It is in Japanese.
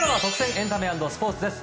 エンタメ＆スポーツです。